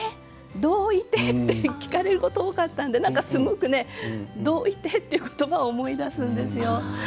どういて？」って聞かれること多かったんで何かすごくね「どういて？」っていう言葉を思い出すんですよ。